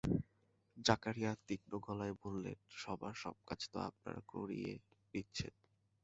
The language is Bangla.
জাকারিয়া তীক্ষ্ণ গলায় বললেন, সবার সব কাজ তো আপনারা করিয়ে নিচ্ছেন।